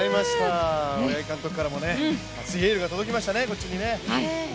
大八木監督からも熱いエールが届きましたね、こっちに。